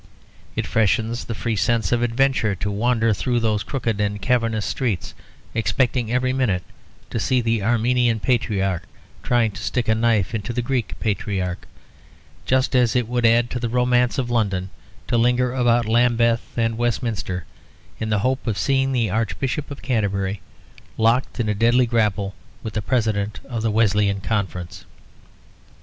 It freshens the free sense of adventure to wander through those crooked and cavernous streets, expecting every minute to see the Armenian Patriarch trying to stick a knife into the Greek Patriarch; just as it would add to the romance of London to linger about Lambeth and Westminster in the hope of seeing the Archbishop of Canterbury locked in a deadly grapple with the President of the Wesleyan Conference.